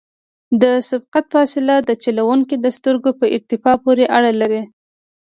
د سبقت فاصله د چلوونکي د سترګو په ارتفاع پورې اړه لري